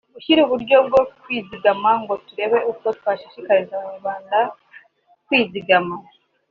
gushyiraho uburyo bwo kwizigama ngo turebe uko twashishikariza Abanyarwanda kwizigama